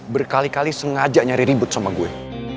berkali kali sengaja nyari ribut sama gue